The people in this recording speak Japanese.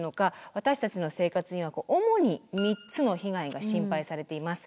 私たちの生活には主に３つの被害が心配されています。